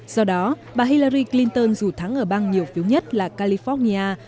do đó bà hillary clinton dù thắng ở bang nhiều phiếu nhất là california